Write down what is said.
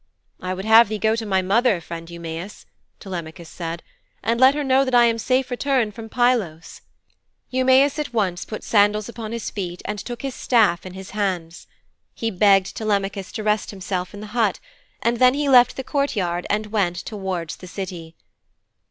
'I would have thee go to my mother, friend Eumæus,' Telemachus said, 'and let her know that I am safe returned from Pylos.' Eumæus at once put sandals upon his feet and took his staff in his hands. He begged Telemachus to rest himself in the hut, and then he left the courtyard and went towards the City.